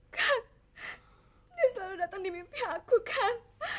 kan dia selalu datang di mimpi aku kan